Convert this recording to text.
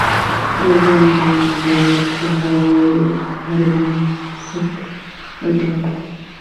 د ژوند بڼه باید د هغو پر بنسټ وټاکي.